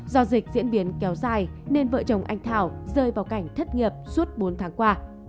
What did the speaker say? do dịch diễn biến kéo dài nên vợ chồng anh thảo rơi vào cảnh thất nghiệp suốt bốn tháng qua